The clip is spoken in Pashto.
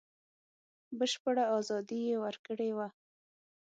بشپړه ازادي یې ورکړې وه.